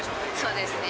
そうですね。